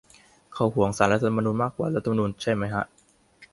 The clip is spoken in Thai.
เขาห่วงศาลรัฐธรรมนูญมากกว่ารัฐธรรมนูญใช่ไหมฮะ ?